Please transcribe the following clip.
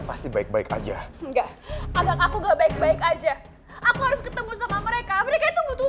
pasti baik baik aja enggak agak aku gak baik baik aja aku harus ketemu sama mereka mereka itu butuh